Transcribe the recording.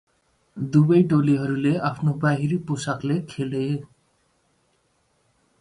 Both teams played in their away strips.